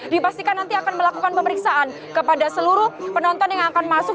dipastikan nanti akan melakukan pemeriksaan kepada seluruh penonton yang akan masuk